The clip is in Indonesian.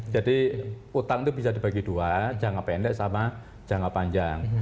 jadi utang itu bisa dibagi dua jangka pendek sama jangka panjang